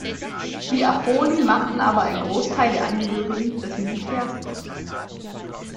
Die Acholi machten aber einen Großteil der Angehörigen des Militärs aus.